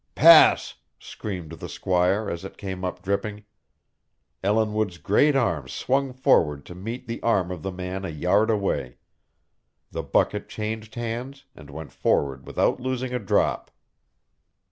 "Pass!" screamed the squire as it came up dripping. Ellinwood's great arm swung forward to meet the arm of the man a yard away. The bucket changed hands and went forward without losing a drop.